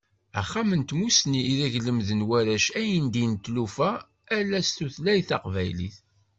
Axxam n Tmussni ideg lemmden warrac ayendin d tilufa, ala s tutlayt taqbaylit.